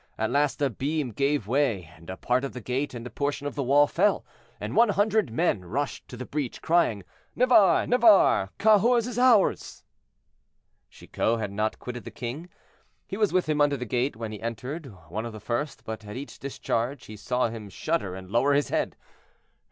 At last a beam gave way, and a part of the gate and a portion of the wall fell, and one hundred men rushed to the breach, crying, "Navarre! Navarre! Cahors is ours!" Chicot had not quitted the king; he was with him under the gate when he entered, one of the first, but at each discharge he saw him shudder and lower his head.